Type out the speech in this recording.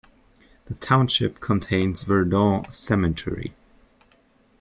The township contains Verdon Cemetery.